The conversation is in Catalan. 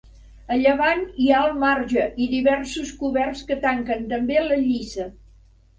A llevant hi ha el marge i diversos coberts que tanquen també la lliça.